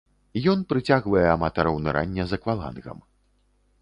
Ён прыцягвае аматараў нырання з аквалангам.